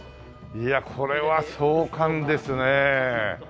いやこれは壮観ですね。